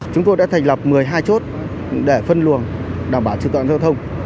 chúng tôi đã thành lập một mươi hai chốt để phân luồng đảm bảo trật tự an toàn giao thông